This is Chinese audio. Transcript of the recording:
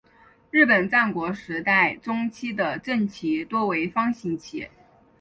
日本战国时代中期的阵旗多为方形旗。